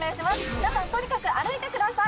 皆さんとにかく歩いてください